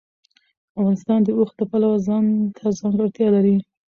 افغانستان د اوښ د پلوه ځانته ځانګړتیا لري.